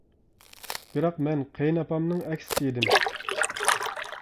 بىراق مەن قېيىن ئاپامنىڭ ئەكسىچە ئىدىم.